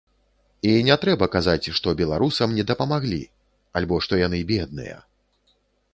І не трэба казаць, што беларусам не дапамаглі, альбо што яны бедныя.